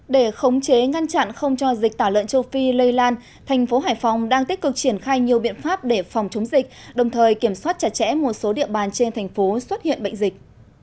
để khống chế ngăn chặn không cho dịch tả lợn châu phi lây lan thành phố hải phòng đang tích cực triển khai nhiều biện pháp để phòng chống dịch đồng thời kiểm soát chặt chẽ một số địa bàn trên thành phố xuất hiện bệnh dịch